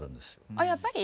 あやっぱり？